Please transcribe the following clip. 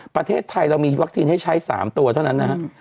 ประเทศไทยเรามีวัคซีนให้ใช้๓ตัวเท่านั้นนะครับ